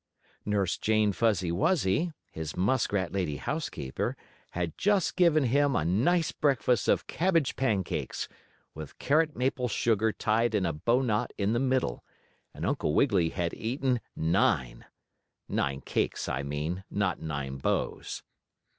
Nurse Jane Fuzzy Wuzzy, his muskrat lady housekeeper, had just given him a nice breakfast of cabbage pancakes, with carrot maple sugar tied in a bow knot in the middle, and Uncle Wiggily had eaten nine. Nine cakes, I mean, not nine bows.